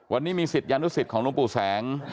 วันนี้มีศิษยานุสิตของหลวงปู่แสง